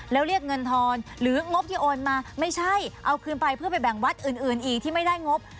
แล้วเรียกเงินทอนหรืองบที่โอนมาไม่ใช่เอาคืนไปเพื่อไปแบ่งวัดอื่นอีกที่ไม่ได้งบ